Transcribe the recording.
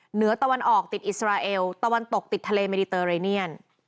เหนือตะวันออกติดอิสราเอลตะวันตกติดทะเลเมดิเตอร์เรเนียน